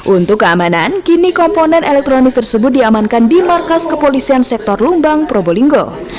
untuk keamanan kini komponen elektronik tersebut diamankan di markas kepolisian sektor lumbang probolinggo